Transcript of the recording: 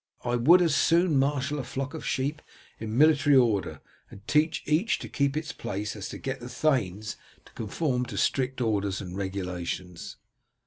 I would as soon marshal a flock of sheep in military order and teach each to keep its place as get the thanes to conform to strict orders and regulations."